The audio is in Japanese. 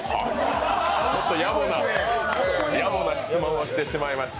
ちょっとやぼな質問をしてしまいました。